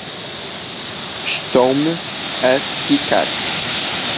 Estou-me a ficar.